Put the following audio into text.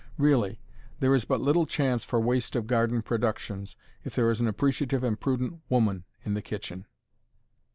Really, there is but little chance for waste of garden productions if there is an appreciative and prudent woman in the kitchen.